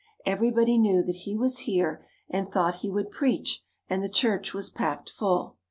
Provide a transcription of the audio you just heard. Everybody knew that he was here and thought he would preach and the church was packed full.